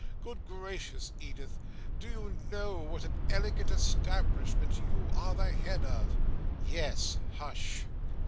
Good gracious, Edith, do you know what an elegant establishment you are at the head of?" "Yes. Hush!"